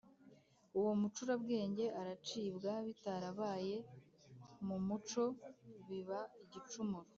Uwo mucurabwenge aracibwa bitarabaye mu muco biba igicumuro